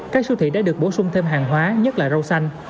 các siêu thị đã được bổ sung thêm hàng hóa nhất là rau xanh